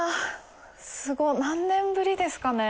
すごっ何年ぶりですかね。